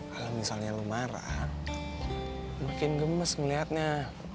kalau misalnya lo marah makin gemes ngeliatnya